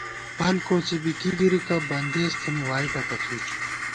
فَل کوڅی بی کِی گِرِکہ، بندېز تھنی وائی ٹکَڅُوئی